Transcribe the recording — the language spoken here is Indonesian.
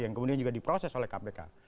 yang kemudian juga diproses oleh kpk